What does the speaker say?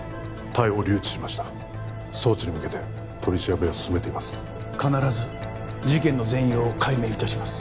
逮捕留置しました送致に向けて取り調べを進めています必ず事件の全容を解明いたします